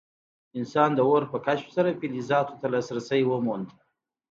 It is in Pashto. انسان د اور په کشف سره فلزاتو ته لاسرسی وموند.